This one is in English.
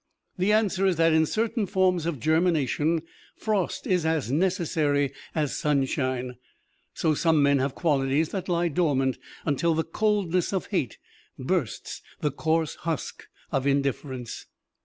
The answer is that, in certain forms of germination, frost is as necessary as sunshine: so some men have qualities that lie dormant until the coldness of hate bursts the coarse husk of indifference.